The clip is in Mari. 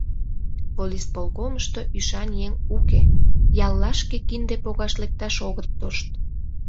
Волисполкомышто ӱшан еҥ уке, яллашке кинде погаш лекташ огыт тошт.